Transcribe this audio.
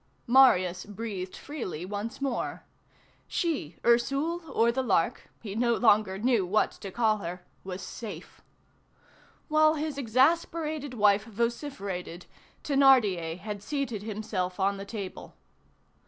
Marius breathed freely once more. She, Ursule or the Lark, he no longer knew what to call her, was safe. While his exasperated wife vociferated, Thénardier had seated himself on the table.